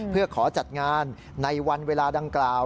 เพื่อขอจัดงานในวันเวลาดังกล่าว